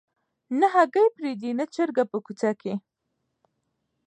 نه هګۍ پرېږدي نه چرګه په کوڅه کي